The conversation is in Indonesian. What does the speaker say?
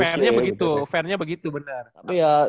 ya fairnya begitu fairnya begitu benar